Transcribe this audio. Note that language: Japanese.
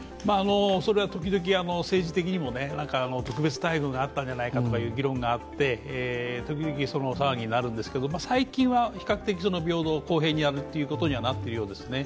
それは時々政治的にも、特別待遇があったっしゃないかという議論があって、時々、騒ぎになるんですけど最近は比較的、平等・公平にやることにはなっているようですね。